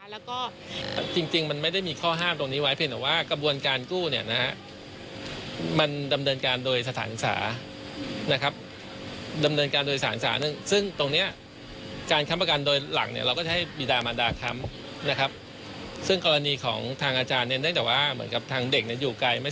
แล้วก็จริงมันไม่ได้มีข้อห้ามตรงนี้ไว้เพียงแต่ว่ากระบวนการกู้เนี่ยนะฮะมันดำเนินการโดยสถานศึกษานะครับดำเนินการโดยสารซึ่งตรงนี้การค้ำประกันโดยหลังเนี่ยเราก็จะให้บีดามันดาค้ำนะครับซึ่งกรณีของทางอาจารย์เนี่ยเนื่องจากว่าเหมือนกับทางเด็กเนี่ยอยู่ไกลไม่